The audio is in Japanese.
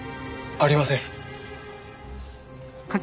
ありません。